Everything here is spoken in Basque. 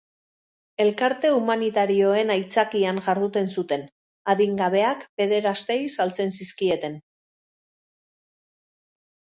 Elkarte humanitarioaren aitzakian jarduten zuten, adingabeak pederastei saltzen zizkieten.